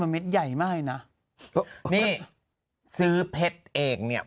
นี่นี่นี่นี่นี่